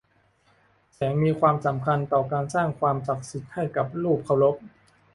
แสงมีความสำคัญต่อการสร้างความศักดิ์สิทธิ์ให้กับรูปเคารพ